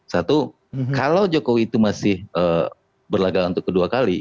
satu kalau jokowi itu masih berlagak untuk kedua kali